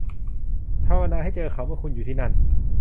ภาวนาให้เจอเขาเมื่อคุณอยู่ที่นั่น